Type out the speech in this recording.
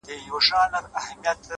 لوړ لید د واټنونو مانا بدلوي,